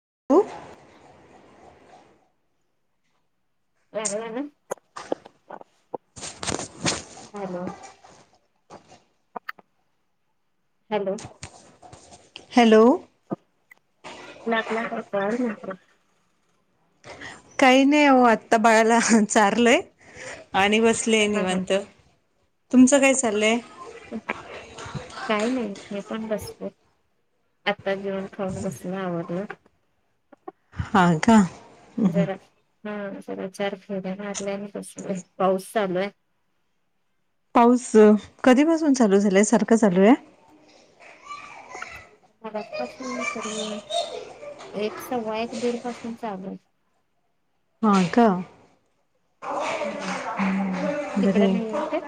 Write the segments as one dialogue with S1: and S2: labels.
S1: [unintelligible]
S2: वर [unintelligible] hello hello
S1: hello
S2: lakh lakh [unintelligible]
S1: काही नाही हो आत्ता बाळाला चारलय आणि बस सले
S2: हा हा
S1: निवांत तुमचं काय चाललंय.
S2: काही नाही मी पण बसलो. आता जेवण खाऊन बसून आवरलं.
S1: हा का
S2: जरा ह चार फेऱ्या मारल्या अन् बसलोय पाऊस चालूय.
S1: पाऊस कधीपासून चालू झालाय सारखं चालूय.
S2: मगाचपासून तरी. एक, सव्वा एक, दीड पासून चालूय.
S1: हा का
S2: आहे
S1: हम्म बर
S2: तिकडं नाही होते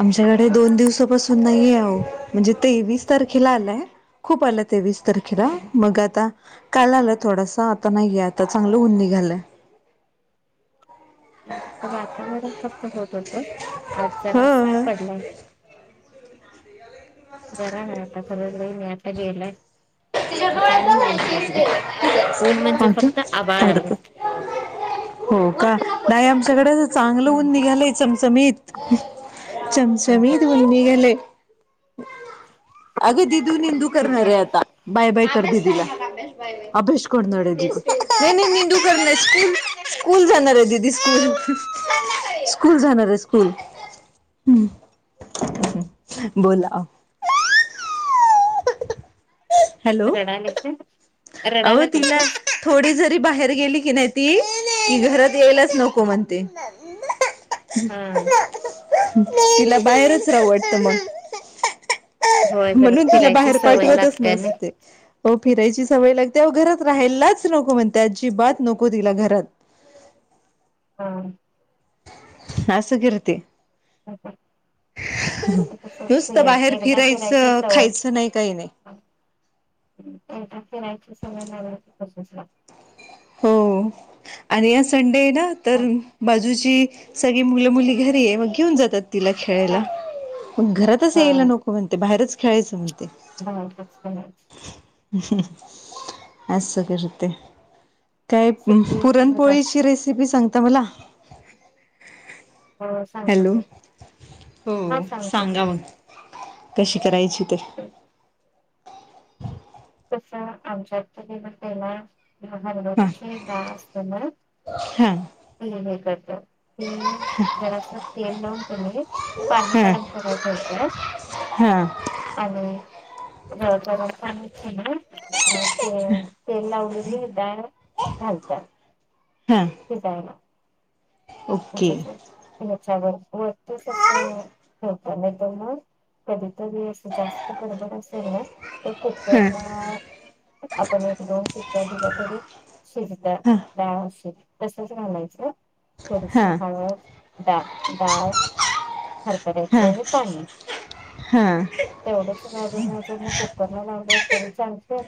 S1: आमच्याकडे दोन दिवसापासून नाहीय ओ म्हणजे तेवीस तारखेला आलाय खूप आलं तेवीस तारखेला मग आता काल आला थोडासा नाहीय आता चांगलं ऊन निघालंय.
S2: वातावरण फक्त होत होत. आज जरासा
S1: ह
S2: पडलाय. जरा नाही आता खरंच बाई नाही आता गेलाय.
S1: [inaudible]
S2: आता आणि ऊन पडले ऊन म्हणजे फक्त आभाळ आलं
S1: हो का नाहीआमच्या कड चांगल ऊन निघालय चमचमीत चमचमीत ऊन निघालेय. अगं दीदू निंदू करणार आहे
S2: रडाय
S1: आता. बाय बाय कर दीदीला. अभ्याश करणारय दीदू नाई नाई निंदू करणारय स्कूल स्कूल जाणाराय दीदी स्कूल. स्कूल जाणारय स्कूल. हम् बोला
S2: रडाले काय
S1: आओ तिला थोडी जरी बाहेर गेली की नाई ती घरात यायला नको म्हणते.
S2: हम्म
S1: तिला बाहेरच राहू वाटत मग.
S2: होय जरा
S1: म्हणून तिला
S2: फिरायची
S1: बाहेर
S2: सवय
S1: पाठवतच
S2: लागते आणि
S1: नसते हो फिरायची तेव घरात राहायलाच नको म्हणत्या अजिबात नको तिला घरात.
S2: हम
S1: अस करते.
S2: ते कस
S1: नुसतं
S2: असतंय
S1: बाहेर
S2: एकदा फिरायची
S1: फिरायचं
S2: सवय
S1: खायचं नाही काही नाही
S2: एकदा फिरायची सवय लागली की तशीच लागते.
S1: हो आणि आ संडे आहे ना तर बाजू जूची सगळी मुलं मुली घरी आहे मग घेऊन जातात. तिला खेळायला पण घरातच यायला नको म्हणते बाहेरच खेळायचं म्हणते.
S2: बाहेरच खेळायच.
S1: असं करते. काय
S2: सुट्टी दिवस
S1: पुरणपोळीची
S2: असतो
S1: रेसिपी सांगता मला.
S2: हो सांगतो
S1: हॅलो
S2: की
S1: हो
S2: हा सांगतो
S1: सांगा
S2: की
S1: मग. कशी करायची ते.
S2: कस आमच्यातरी त्याला
S1: हा
S2: हरबऱ्याची डाळ असते ना.
S1: हां
S2: हे हे करतो जरास तेल लाऊन कनई पाणी
S1: हां
S2: गरम कराय ठेवत्यात
S1: हां
S2: आणि गरम पाण्यात कीने तेल लावलेली डाळ. घालत्यात.
S1: हां
S2: शिजायला. म
S1: ओके
S2: तेच्यावर वरतीचं असं ठेवत्या नाही तर म कधी तरी असं जास्त गडबड असली ना तर
S1: हां
S2: कुकरला आपण एक दोन शिट्टया दिल्या तरी शिजतंय
S1: हां
S2: डाळ आशीच तसचं घालायचं. थोडीशी
S1: हां
S2: हळद डा डाळ. हरभरया ची
S1: हां
S2: आणि पाणी
S1: हां
S2: तेवढच घालून. च कूकर ला लावल तरी चालतय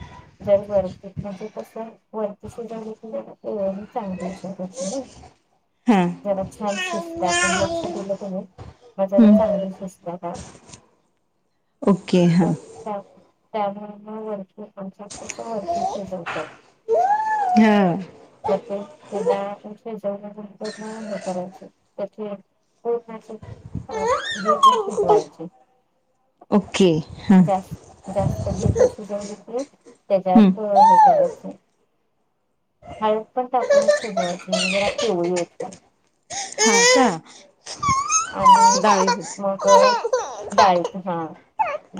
S2: जर वरती म्हणजे कसं वरती शिजवली. [unintelligible]
S1: [unintelligible]
S2: जरा छान शिजत्या आपण लक्ष दिलं कने म जरा
S1: हं
S2: चांगली शिजत्या डाळ.
S1: ओके हां.
S2: त्यामुळ म [unintelligible] हुता.
S1: हा.
S2: मग ते ते डाळ शिजव [unintelligible] [unintelligible] हे करायच त्या [unintelligible] हं गिरर शिजवायची.
S1: ओके. हां
S2: जास जास्त गीरर शिजवून घेतली तेज्या
S1: हं
S2: प हे. करायच हाय. हळद पण टाकूनचं शिजवायची म्हणजे जरा पिवळी होत्या.
S1: हां
S2: आणि
S1: का डाळी
S2: मग अं डाळीत हा.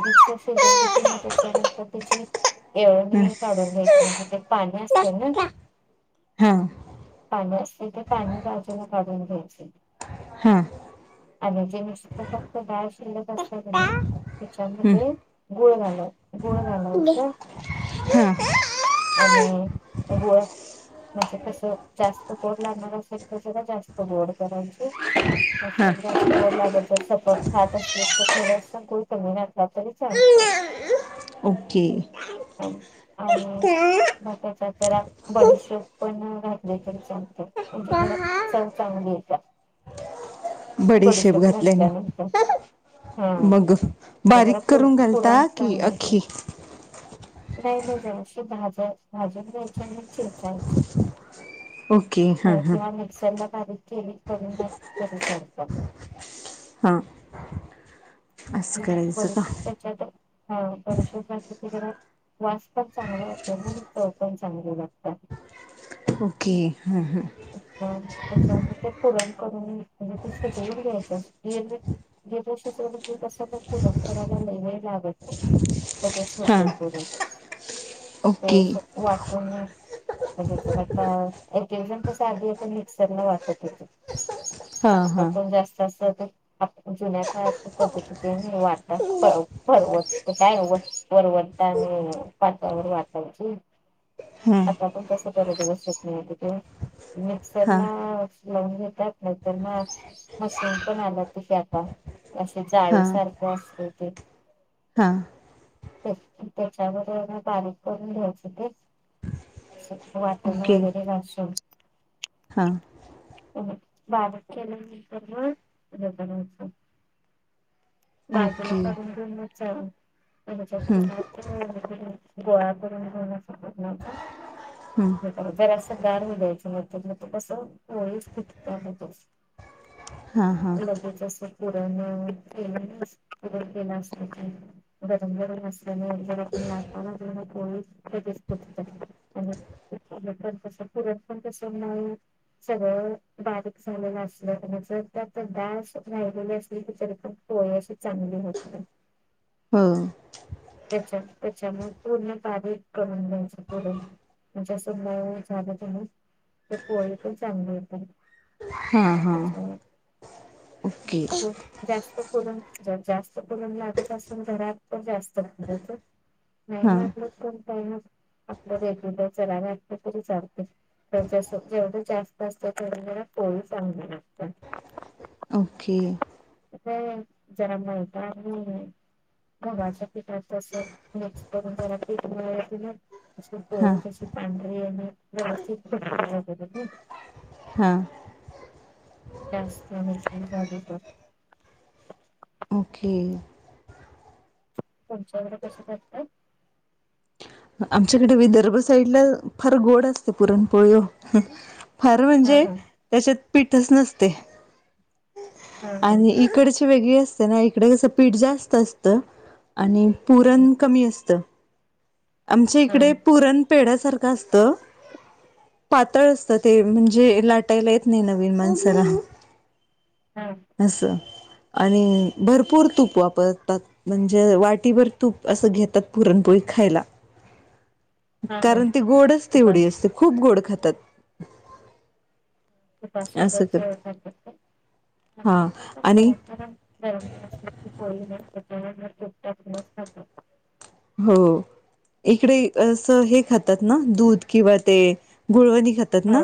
S2: गीच्च शिजवली कि राहत्या [unintelligible]
S1: हं
S2: येळवणी काढून घ्यायची म्हणजे ते पाणी
S1: हां
S2: असतय ना.
S1: [unintelligible]
S2: पाणी असतय ते पाणी बाजूला काढून घ्यायचं. आणि जे नुस्तं फक्त डाळ शिल्लक असत्या कनी, त्यािच्यामध्ये गुळ घाला गुळ घालायाचं.
S1: हा.
S2: आणि गुळात म्हणजे कसं जास्त गोड लागणार असेल तर जरा जास्त गोड करायची,
S1: हां
S2: नसेल जास्त गोड लागत जर सपक खात असतील तर थोडस गुळ कमी घातला तरी चालतोय.
S1: [inaudible] ओके.
S2: ह आणि बाकी हेच्यात जरा बडीशोप पण घातली तरी चालतय म्हणजे जरा चव चांग ली येत्या.
S1: [inaudible] बडीशेप
S2: बडीशोप घातल्यानंतर
S1: घातल्याने
S2: हा
S1: मग अं
S2: म्हणजे जरा
S1: बारीक
S2: पुर
S1: करून
S2: पुरण
S1: घालता की
S2: चांगलं येतंय.
S1: अख्खी
S2: नाही नाही जरासं भाजाय भाजून घ्यायच आणि चेचायची
S1: ओके
S2: [unintelligible]
S1: हां हां
S2: किंवा मिक्सरला बारीक केली करून घातल तरी चालतं.
S1: हा.
S2: बडीशोप
S1: का
S2: तेच्यात अं हं बडीशोप घातली की जरा वास पण चांगला येतोय नी चव पण चांगली लागत्या.
S1: ओके हां
S2: बर त्याच्या मधे पुरण करून म्हणजे ती शिजवून घ्यायची असती गीरर शिजवलं की कसं बग पुरण करायला लय वेळ लागतं नाही
S1: हां
S2: टे पु ते
S1: ओके
S2: वाटून [unintelligible] म्हणजे आता एके जन कस आधी मिक्सर न वाटत होते-
S1: हां
S2: आता
S1: हां
S2: पण जास्त अस- जुन्या का पद्धतीचे नि वटाण करायचे- पाटावर वाटायची-
S1: ह..
S2: आता आपण कस करतो चरणी मध्ये ते
S1: हां
S2: मिक्सरला- लावून घेतात नाही तर मग मशीन पण आला की आता. असे जाळी सारखं असत ते.
S1: हा....
S2: त्याच्यावर म बारीक करून घ्यायचे ते. सगळ आपन वाटलेले असेल-
S1: हा..
S2: हो बाार केलाराच [unintelligible] बाजूला
S1: ओके
S2: काढून ठेवायच-
S1: हं
S2: गोळ्या करून घ्यायच्या
S1: हं
S2: कणकेच्या- जरासा गार होऊ द्यायच नाहीतर मग ते कस व्यवस्थित-
S1: ह [unintelligible]
S2: लगेच अस पुरण पुरण केलं केलं असेल ते- [inaudible] म्हणजे पण कस पुरण पण कसं होईल- सगळं बारीक झालेलं असलं त्या जर त्यातच दाळ राहिलेली असली ति जरी पण- व्यवस्थित चांगली होत नाही.
S1: ह्म्म...
S2: त्याचा त्याच्यामुळे पूर्ण गार करून घ्यायच ते पुरण. म्हणजे असं नरम झालं तर ती पोळी पण चांगली होते.
S1: हा हा...
S2: त्याच्यामुळे
S1: ओके...
S2: गो- जास्त पुरण जास्त पुरण लागत असल घरात पण जास्त- नाही
S1: हां
S2: ना आपलंच कोणता ही- आपलं रेग्युर घालते असलं तरी चालते जस जेवढं जास्त असत तेवढ तरी चांगला लागतं.
S1: ओके...
S2: जरा बोलता- घरच्या पीठाच कस मिक्स करून जरा पीठ मिळवला की नई- तशी
S1: हां
S2: पोळी पांढरी आणि व्यवस्थित लाटली जाते ती.
S1: हा...
S2: जास्त मिल्की झाले तर-
S1: ओके
S2: तुमच्या कडे कशी करतात?
S1: आमच्याकडे विदर्भ साईड ला फार गोड असते पुरणपोळी. फार
S2: हा
S1: म्हणजे
S2: हा
S1: त्याच्यात पीठच नसते
S2: हा
S1: आणि
S2: हा
S1: इकडचे- वेगळे असते ना इकडे कस पीठ जास्त असत आणि पुरण कमी असत. आमच्या
S2: हा
S1: इकडे पुरण पेढ्या सारखं असतं- पातळ असत ते म्हणजे लाटायला येत नाही नवीन माणसाला.
S2: हा
S1: अस.. आणि भरपूर तूप वापरतात म्हणजे वाटीभर तूप असं घेतात पुरण पोळी वर- [unintelligible] खायला.
S2: हा हा
S1: कारण ती गोडच
S2: तुपास
S1: तेवढी असते खूप गोड खातात.
S2: खूप असं रोजचं खातात काय? आमच्या
S1: हां आणि
S2: कडे पण [unintelligible] पोळी असते. [unintelligible]
S1: हो इकडे असं हे खातात ना दूध किंवा ते गुळवणी. खातात
S2: हा
S1: ना,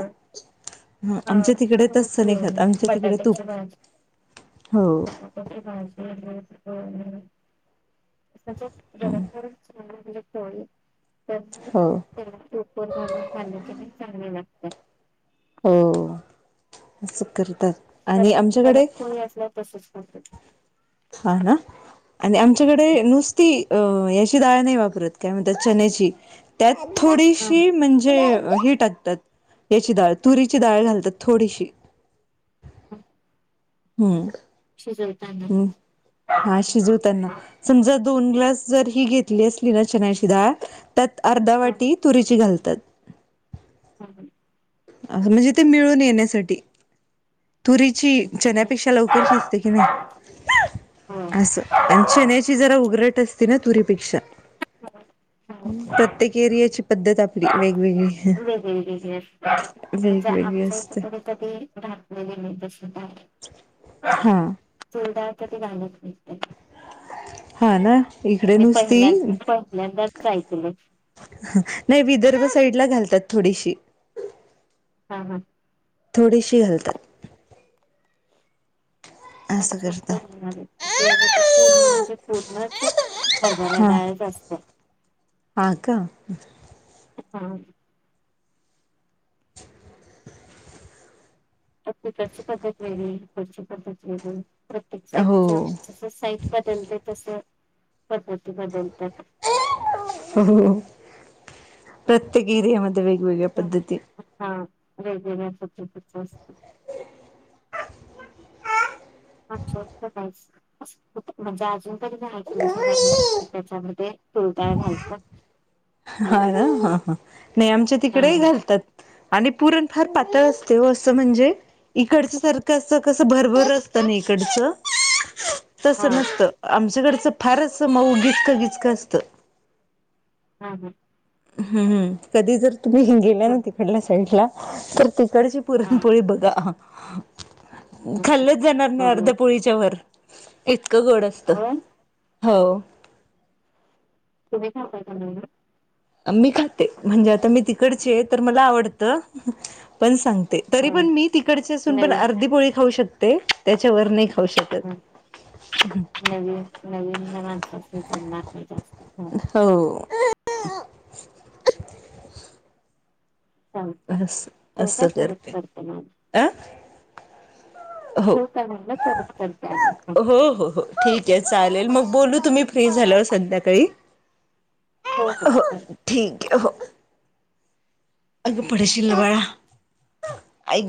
S2: हा
S1: आमच्या तिकडे तसं खात नाही आमच्या तिकडे तूप, हो
S2: आ [unintelligible] कस पाहिजे ह तसच गरम गरम चुरून घेतलेली पोळी
S1: हो
S2: तस तुपवर घालुन खाल्लं की ते चांगले लागतात.
S1: हो, असं करतात. आणि
S2: गरम गरम
S1: आमच्याकडे
S2: पोळी असल्यासव तसच करतात.
S1: हा ना, आणि आमच्याकडे नुसती अ याची दाळ नाही वापरत काय म्हणतात चण्याची, त्यात
S2: हा
S1: थोडीशी म्हणजे अ हे टाकतात याची दाळ तुरीची दाळ घालतात थोडीशी
S2: [unintelligible]
S1: हम्म
S2: शिजवताना
S1: हम्म, हा शिजवतांना समजा दोन ग्लास जर ही घेतली असली ना चन्याची दाळ, त्यात अर्धा
S2: हा
S1: वाटी तुरीची घाल तात
S2: हम हम
S1: असं म्हणजे ते मिळून येण्यासाठी. तुरीची, चण्यापेक्षा लवकर शिजते की नाही?
S2: हो
S1: असं, आणि चण्याची जरा उगरट अस ती ना तुरीपेक्षा,
S2: हो
S1: प्रत्येक एरियाची पद्धत आपली वेग
S2: वेगवगळी असते. म्हणजे
S1: वेगवेगळी
S2: आमच्या इथं
S1: असते
S2: कधी कधी राहत नाही नाही तसं काय,
S1: हा
S2: तूर डाळ कधी घालत नाहीत ते.
S1: हा ना? इकडे नुसती,
S2: पहिल्यांदाच ऐकलं
S1: ह नाही विदर्भ साईडला घालतात थोडीशी.
S2: हा हा.
S1: थोडीशी घालतात. असं
S2: अच्छा
S1: करतात
S2: [unintelligible]
S1: [unintelligible] हा, हा का?
S2: हा आपल्या कडची पध्दत वेगळी इकडची पद्धत वेगळी. प्रत्येक
S1: हो
S2: साईटचं जसं साईट बदलते तसं पद्धती बदलतात.
S1: [unintelligible] हो हो प्रत्येक एरीया मध् वेगवेगळ्या पद्धती.
S2: हा वेगवेगळ्या प अच्छा काच [unintelligible] म्हणजे अजून तरी मी ऐकलं सुद्धा नाही की त्याच्यामध्ये तूर डाळ घालतात.
S1: हा ना हा हा, नाही आमच्या
S2: हा
S1: तिकडेही घालतात. आणि पुरण फार पातळ असते ओ असं म्हणजे इकडच सारखं कसं भरभर असतं ना [unintelligible] इकडचं
S2: हा
S1: तसं नसतं, आमच्याकडचं फारच मऊ गिचकं गिचकं असतं.
S2: हा हा.
S1: हम हम, कधी जर तुम्ही गेल्या ना
S2: तुम-
S1: तिकडल्या साईडला तर तिकडची
S2: हा
S1: पुरणपोळी बघा.
S2: हा,
S1: खाल्लच जाणार नाही
S2: बरोबर.
S1: अर्ध्या पोळीच्या वर इतकं गोड असत
S2: होय
S1: हो
S2: तुम्ही खताला मग
S1: आ मी खाते म्हणजे आता मी तिकडचे तर मला आवडतं पण सांगते तरी
S2: हा
S1: पण मी तिकडची असून पण
S2: नवीन
S1: अर्धी पोळी खाऊ शकते त्याच्यावर नई खाऊ
S2: हा
S1: शकत.
S2: नवीन [unintelligible]
S1: हो
S2: चालतंय
S1: अस
S2: ठेवू काय
S1: असं
S2: परत
S1: करते
S2: मग.
S1: अ हो
S2: ठेवू काय म्हणलं परत करते आणि
S1: हो हो हो ठीक आहे चाले म बोलू तुम्ही फ्री झाल्यावर
S2: फोन.
S1: संध्याकाळी. हो ठीकय हो. अग पडशील बाळा आईग